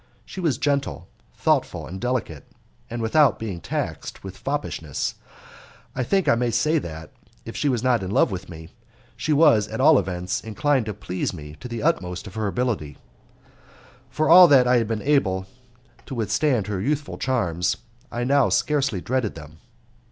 She was gentle, thoughtful, and delicate, and without being taxed with foppishness I think I may say that, if she was not in love with me, she was at all events inclined to please me to the utmost of her ability; for all that I had been able to withstand her youthful charms, and I now scarcely dreaded them.